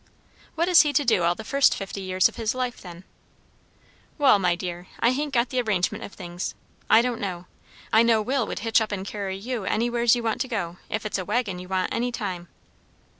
"What is he to do all the first fifty years of his life then?" "Wall, my dear, I hain't got the arrangement of things; I don't know. I know Will would hitch up and carry you anywheres you want to go if it's a waggon you want any time."